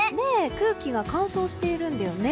空気が乾燥しているんだよね。